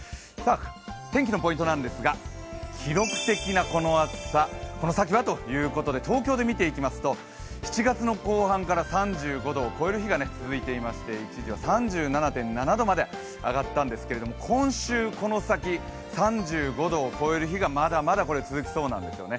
天気のポイントなんですが記録的なこの暑さこの先は？ということで東京で見ていきますと７月の後半から３５度を超える日が続いていまして、一時は３７．７度まで上がったんですけれど、今週この先、３５度を超える日がまだまだ続きそうなんですね。